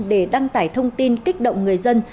để đăng tải thông tin kích động người dân